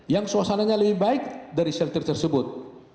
yang suasananya lebih baik dari shelter tersebut